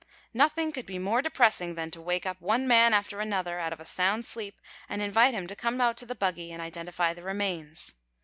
Nothing could be more depressing than to wake up one man after another out of a sound sleep and invite him to come out to the buggy and identify the remains.